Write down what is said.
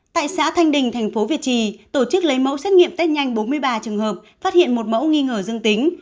tại xã thanh đình thành phố việt trì tổ chức lấy mẫu xét nghiệm tết nhanh bốn mươi ba trường hợp phát hiện một mẫu nghi ngờ dương tính